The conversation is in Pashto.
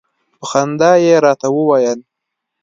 په خندا يې راته وویل.